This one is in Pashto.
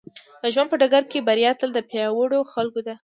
د ژوند په ډګر کې بريا تل د پياوړو خلکو ده.